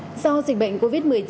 do dịch bệnh covid một mươi chín